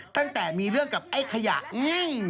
ตั้งแต่มีเรื่องกับไอ้ขยะงั่ง